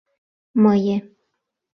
— Мые...